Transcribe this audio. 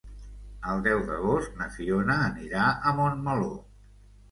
El deu d'agost na Fiona anirà a Montmeló.